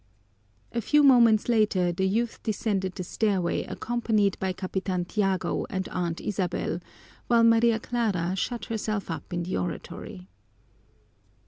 A few moments later the youth descended the stairway accompanied by Capitan Tiago and Aunt Isabel, while Maria Clara shut herself up in the oratory.